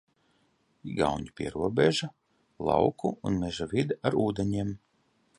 Igauņu pierobeža, lauku un meža vide ar ūdeņiem.